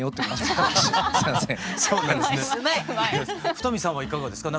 二見さんはいかがですか？